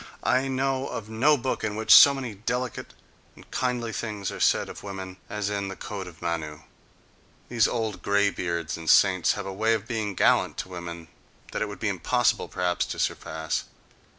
I know of no book in which so many delicate and kindly things are said of women as in the Code of Manu; these old grey beards and saints have a way of being gallant to women that it would be impossible, perhaps, to surpass.